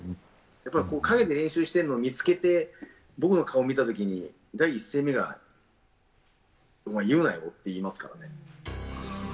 やっぱり陰で練習しているのを見つけて、僕の顔見たときに、第一声目が、お前言うなよって言いますからね。